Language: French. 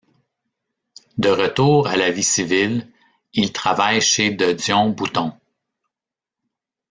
De retour à la vie civile, il travaille chez De Dion-Bouton.